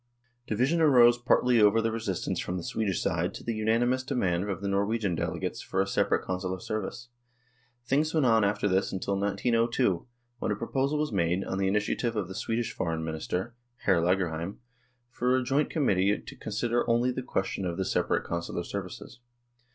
Division arose partly over the resistance from the Swedish side to the unanimous demand of the Norwegian delegates for a separate Consular service. Things went on after this until 1902, when a proposal was made, on the initiative of the Swedish Foreign Minister, Hr. Lagerheim, for a joint com mittee to consider only the question of the separate Consular services.